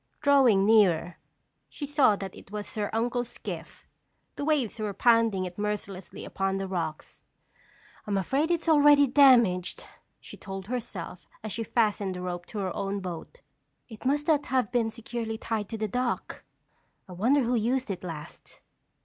Drawing nearer, she saw that it was her uncle's skiff. The waves were pounding it mercilessly upon the rocks. "I'm afraid it's already damaged," she told herself as she fastened the rope to her own boat. "It must not have been securely tied to the dock. I wonder who used it last?"